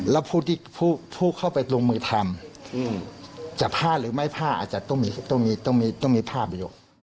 แล้วผู้เข้าไปลงมือทำจะผ้าหรือไม่ผ้าอาจจะต้องมีภาพอยู่